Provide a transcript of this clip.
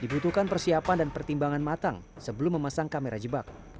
dibutuhkan persiapan dan pertimbangan matang sebelum memasang kamera jebak